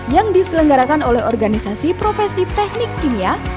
yang diselenggarakan oleh organisasi profesi teknik kimia